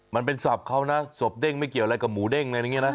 มันเป็นศพเค้านะสบเด้งไม่เกี่ยวอะไรกับหมูเด้ง